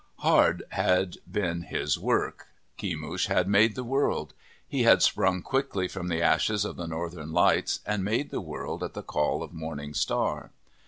Hard had been his work. Kemush had made the world. He had sprung quickly from the ashes of the northern lights and made the world at the call of Morning Star.